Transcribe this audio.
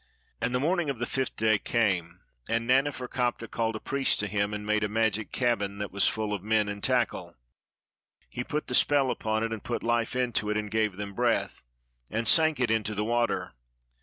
And the morning of the fifth day came; and Nanefer kaptah called a priest to him, and made a magic cabin SO THE MAGIC BOOK that was full of men and tackle. He put the spell upon it and put life into it, and gave them breath, and sank it in the water.